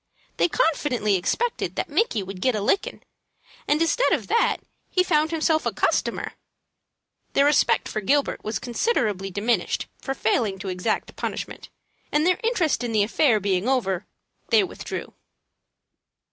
They confidently expected that Micky would "get a lickin'," and instead of that, he had found a customer. Their respect for Gilbert was considerably diminished for failing to exact punishment, and, their interest in the affair being over, they withdrew.